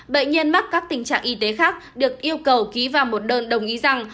bệnh nhân mắc các tình trạng y tế khác được yêu cầu ký vào một đơn đồng ý rằng